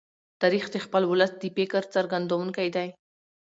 تاریخ د خپل ولس د فکر څرګندونکی دی.